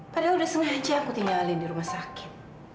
padahal udah sengaja aku tinggalin di rumah sakit